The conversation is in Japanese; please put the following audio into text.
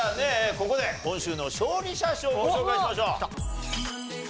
ここで今週の勝利者賞をご紹介しましょう。